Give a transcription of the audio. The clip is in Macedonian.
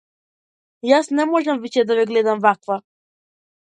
Јас не можам веќе да ве гледам ваква.